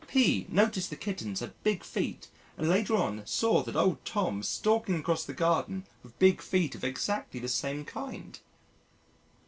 P noticed the kittens had big feet and later on saw that old Tom stalking across the garden with big feet of exactly the same kind."